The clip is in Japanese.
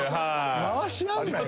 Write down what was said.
回し合うなよ